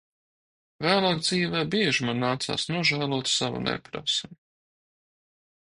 Vēlāk dzīvē bieži man nācās nožēlot savu neprasmi.